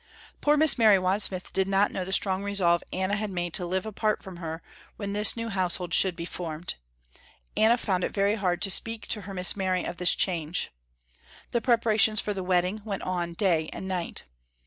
Poor Miss Mary Wadsmith did not know the strong resolve Anna had made to live apart from her when this new household should be formed. Anna found it very hard to speak to her Miss Mary of this change. The preparations for the wedding went on day and night.